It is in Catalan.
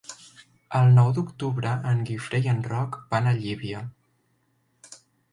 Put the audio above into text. El nou d'octubre en Guifré i en Roc van a Llívia.